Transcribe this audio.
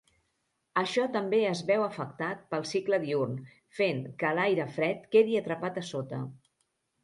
Això també es veu afectat pel cicle diürn, fent que l'aire fred quedi atrapat a sota.